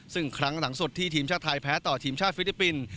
ซึ่งครั้งหลังสุดที่ทีมชาติไทยแพ้ต่อทีมชาติฟิลิปปินส์